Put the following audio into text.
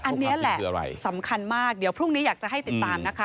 อันนี้แหละคืออะไรสำคัญมากเดี๋ยวพรุ่งนี้อยากจะให้ติดตามนะคะ